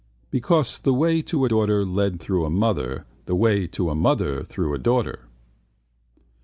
Because the way to daughter led through mother, the way to mother through daughter.